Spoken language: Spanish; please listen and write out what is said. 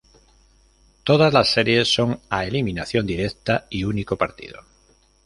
Todas las series son a eliminación directa y único partido.